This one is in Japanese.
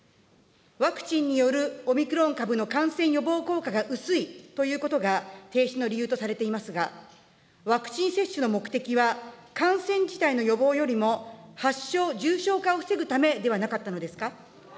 ワクチンによるオミクロン株の感染予防効果が薄いということが停止の理由とされていますが、ワクチン接種の目的は、感染機会の予防よりも、発症・重症化を防ぐためではなかったのですか。